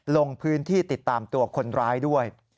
ลงพื้นที่ติดตามตัวคนร้ายด้วย